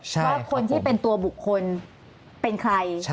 ว่าคนที่เป็นตัวบุคคลเป็นใคร